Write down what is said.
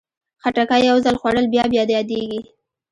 خټکی یو ځل خوړل بیا بیا یادېږي.